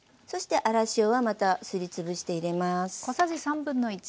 そして粗塩はまたすり潰して入れます。